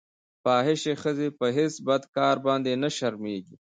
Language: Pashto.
فاحشې ښځې په هېڅ بد کار باندې نه شرمېږي.